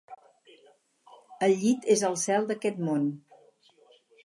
El llit és el cel d'aquest món.